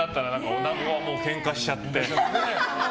おなごはケンカしちゃって。